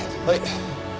はい。